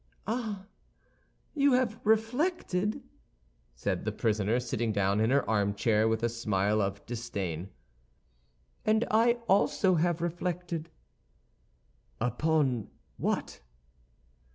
"Ah, you have reflected!" said the prisoner, sitting down in her armchair, with a smile of disdain; "and I also have reflected." "Upon what?"